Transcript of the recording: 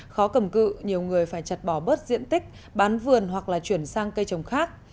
khó cầm cự nhiều người phải chặt bỏ bớt diện tích bán vườn hoặc là chuyển sang cây trồng khác